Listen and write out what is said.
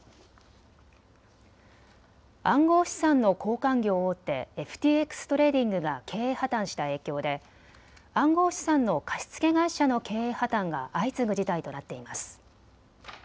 暗号資産の交換業大手、ＦＴＸトレーディングが経営破綻した影響で暗号資産の貸し付け会社の経営破綻が相次ぐ事態となっています。